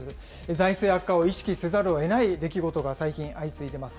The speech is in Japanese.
財政悪化を意識せざるをえない出来事が最近相次いでいます。